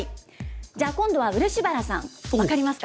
じゃあ、今度は漆原さん、分かりますか？